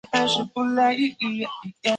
它的性能介于被动悬架与主动悬架之间。